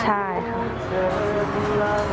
ใช่ค่ะ